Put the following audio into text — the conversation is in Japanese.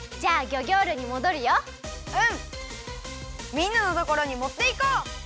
みんなのところにもっていこう！